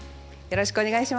よろしくお願いします。